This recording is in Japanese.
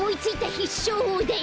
ひっしょうほうだよ。